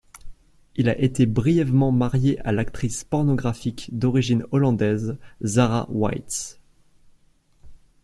Il a été brièvement marié à l'actrice pornographique d'origine hollandaise Zara Whites.